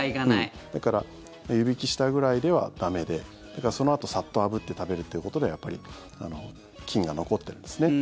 だから湯引きしたぐらいでは駄目でそのあと、さっとあぶって食べるということではやっぱり菌が残っているんですね。